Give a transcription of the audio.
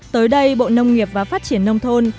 tới đây bộ nông nghiệp và phát triển nông thôn